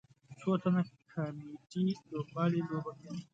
څو تنه کامیډي لوبغاړي لوبه کوي.